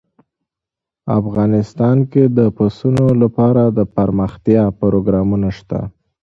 افغانستان کې د پسونو لپاره دپرمختیا پروګرامونه شته.